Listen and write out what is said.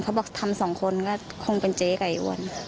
เขาบอกทำสองคนก็คงเป็นเจ๊ไก่อ้วน